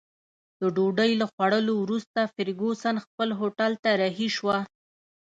د ډوډۍ له خوړلو وروسته فرګوسن خپل هوټل ته رهي شوه.